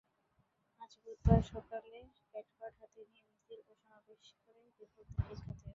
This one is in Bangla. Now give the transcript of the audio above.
আজ বুধবার সকালে প্ল্যাকার্ড হাতে নিয়ে মিছিল ও সমাবেশ করে বিক্ষুব্ধ শিক্ষার্থীরা।